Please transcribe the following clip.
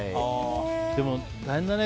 でも、大変だね。